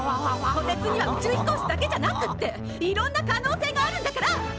こてつには宇宙飛行士だけじゃなくっていろんな可能性があるんだから！